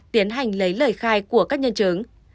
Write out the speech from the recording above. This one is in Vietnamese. tiến hành lấy lời khai của các nhân chứng